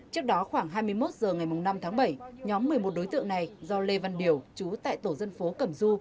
trước đó khoảng hai mươi một h ngày năm tháng bảy nhóm một mươi một đối tượng này do lê văn điều chú tại tổ dân phố cẩm du